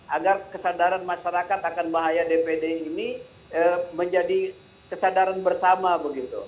agar kesadaran masyarakat akan bahaya dpd ini menjadi kesadaran bersama begitu